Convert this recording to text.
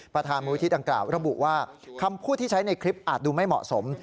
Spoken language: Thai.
ประธานมูลที่ดังกล่าวระบุว่าคำพูดที่ใช้ในคลิปอาจดูไม่เหมาะสม